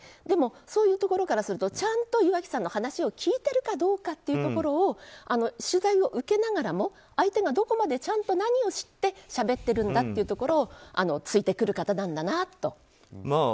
でも、そういうところからすると岩城さんの話を聞いてるかどうかというところを取材を受けながらも相手がどこまでちゃんと何を知ってしゃべってるんだっていうことを突いてくる方なんだなと。